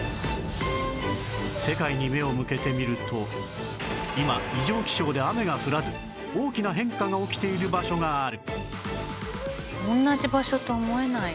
世界に目を向けてみると今異常気象で雨が降らず大きな変化が起きている場所がある